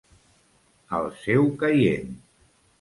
Al seu caient.